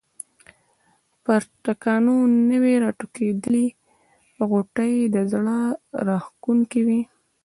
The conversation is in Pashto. پر تاکانو نوي راټوکېدلي غوټۍ زړه راکښونکې وې.